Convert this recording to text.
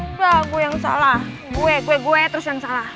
gue yang salah gue kue gue terus yang salah